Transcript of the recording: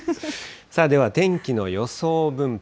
では天気の予想分布